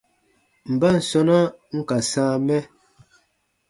Mban sɔ̃na n ka sãa mɛ ?